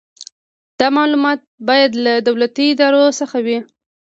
دا معلومات باید له دولتي ادارو څخه وي.